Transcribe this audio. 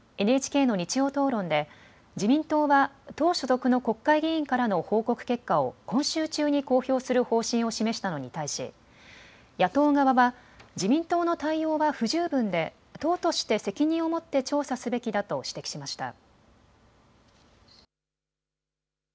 ＮＨＫの日曜討論で自民党は党所属の国会議員からの報告結果を今週中に公表する方針を示したのに対し野党側は自民党の対応は不十分で党として責任を持って調査すべきだと指摘しました。